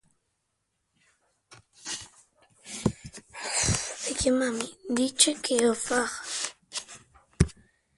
Información recogida de Allmusic y del libro del álbum.